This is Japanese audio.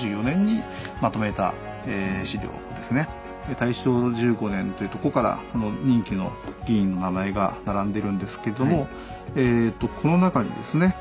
大正１５年というとこから任期の議員の名前が並んでるんですけどもえとこの中にですね